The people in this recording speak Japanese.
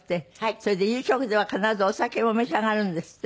それで夕食では必ずお酒も召し上がるんですって？